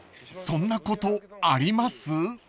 ［そんなことあります？］